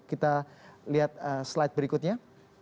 kita lihat slide berikutnya